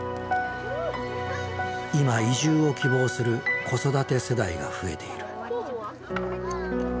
今移住を希望する子育て世代が増えている。